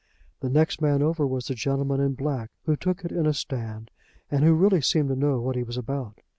The next man over was the gentleman in black, who took it in a stand, and who really seemed to know what he was about.